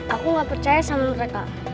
aku nggak percaya sama mereka